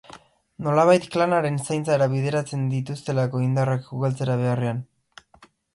Nolabait klanaren zaintzara bideratzen dituztelako indarrak ugaltzera beharrean.